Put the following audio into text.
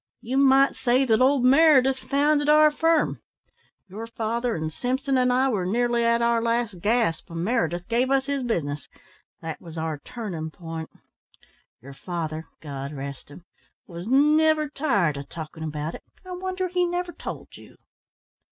You might say that old Meredith founded our firm. Your father and Simpson and I were nearly at our last gasp when Meredith gave us his business. That was our turning point. Your father God rest him was never tired of talking about it. I wonder he never told you."